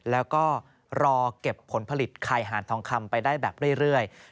แล้วก็รอเก็บผลผลิตไข่หานทองคำไปได้แบบเรื่อย